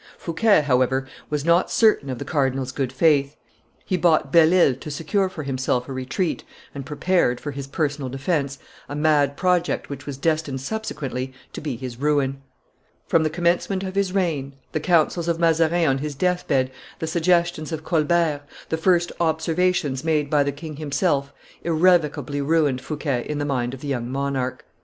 Fouquet, however, was not certain of the cardinal's good faith; he bought Belle Ile to secure for himself a retreat, and prepared, for his personal defence, a mad project which was destined subsequently to be his ruin. From the commencement of his reign, the counsels of Mazarin on his death bed, the suggestions of Colbert, the first observations made by the king himself, irrevocably ruined Fouquet in the mind of the young monarch.